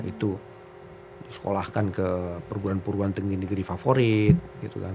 itu di sekolahkan ke perguruan perguruan tinggi negeri favorit gitu kan